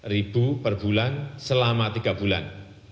rp enam ratus ribu per bulan selama tiga bulan